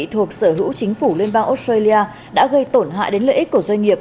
thuộc sở hữu chính phủ liên bang australia đã gây tổn hại đến lợi ích của doanh nghiệp